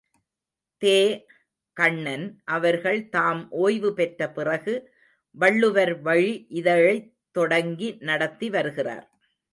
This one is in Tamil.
தே.கண்ணன் அவர்கள் தாம் ஒய்வு பெற்ற பிறகு வள்ளுவர் வழி இதழைத் தொடங்கி நடத்தி வருகிறார்.